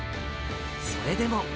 それでも。